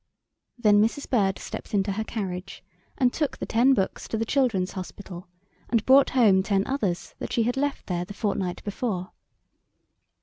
Then Mrs. Bird stepped into her carriage, and took the ten books to the Childrens' Hospital, and brought home ten others that she had left there the fortnight before.